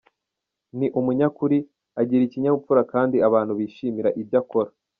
Ni umunyakuri, agira ikinyabupfura kandi abantu bishimira ibyo akora.